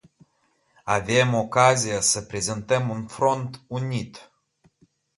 Avem ocazia să prezentăm un front unit.